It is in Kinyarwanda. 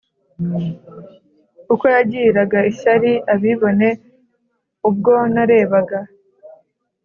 Kuko nagiriraga ishyari abibone Ubwo narebaga